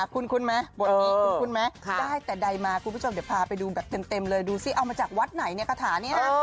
คุ้นไหมบนนี้คุ้นไหมได้แต่ใดมาจะพาไปดูแบบเต็มเลยดูสิเอามาจากวัดไหนคาถานี้นะ